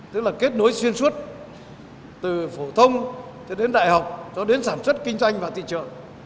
tức là kết nối xuyên suốt từ phổ thông cho đến đại học cho đến sản xuất kinh doanh và thị trợ